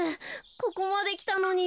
ここまできたのに。